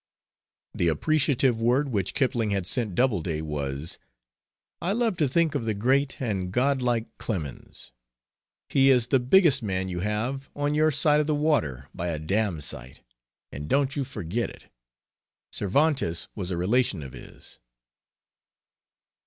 The appreciative word which Kipling had sent Doubleday was: "I love to think of the great and God like Clemens. He is the biggest man you have on your side of the water by a damn sight, and don't you forget it. Cervantes was a relation of his."